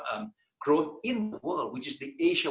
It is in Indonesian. yang adalah dunia asia